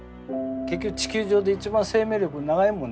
結局地球上で一番生命力長いもんでしょ？